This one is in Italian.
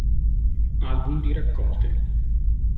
Album di raccolte.